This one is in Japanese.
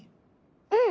うん！